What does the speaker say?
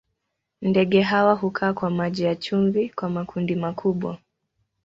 Ndege hawa hukaa kwa maji ya chumvi kwa makundi makubwa.